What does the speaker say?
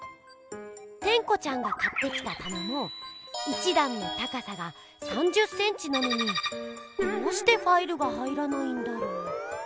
テンコちゃんが買ってきたたなも１だんの高さが３０センチなのにどうしてファイルが入らないんだろう？